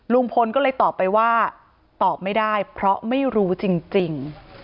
ลุงพลก็เลยตอบไปว่าตอบไม่ได้เพราะไม่รู้จริง